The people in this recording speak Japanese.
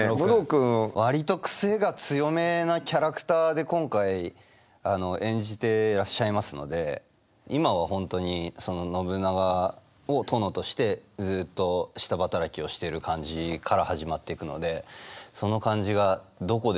割と癖が強めなキャラクターで今回演じてらっしゃいますので今は本当にその信長を殿としてずっと下働きをしている感じから始まっていくのでその感じがどこでどう変わってくのか。